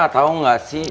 tahu nggak sih